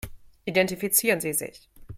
Identifizieren Sie sich.